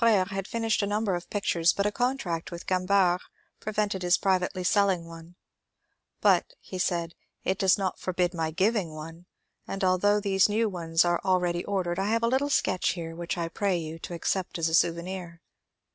Fr^re had finished a number of pictures, but a contract with Gambart prevented his privately selling one. ^' But, " he said, *^ it does not forbid my giving one, and although these new ones are already ordered I have a little sketch here which I pray you to accept as a souvenir."